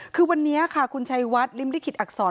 คือวันนี้ค่ะคุณชัยวัดริมลิขิตอักษร